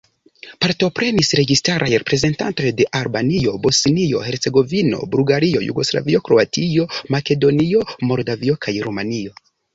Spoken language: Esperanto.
Partoprenis registaraj reprezentantoj de Albanio, Bosnio-Hercegovino, Bulgario, Jugoslavio, Kroatio, Makedonio, Moldavio kaj Rumanio.